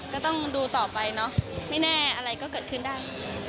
ก็ต้องดูต่อไปเนอะไม่แน่อะไรก็เกิดขึ้นได้